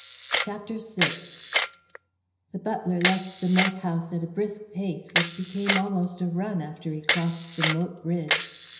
CHAPTER VI The butler left the moat house at a brisk pace which became almost a run after he crossed the moat bridge.